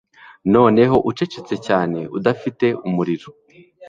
Noneho ucecetse cyane udafite umuriro